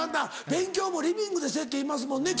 勉強もリビングでせぇって言いますもんね